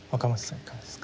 いかがですか。